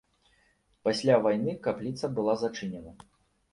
Пасля вайны капліца была зачынена.